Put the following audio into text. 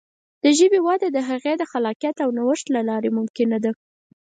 د ژبې وده د هغې د خلاقیت او نوښت له لارې ممکنه ده.